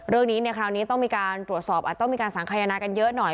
เรื่องนี้ในคราวนี้ต้องมีการตรวจสอบอาจต้องมีการสังขยนากันเยอะหน่อย